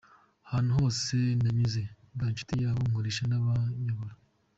Ahantu hose nanyuze mba inshuti y’abo nkoresha n’abanyobora.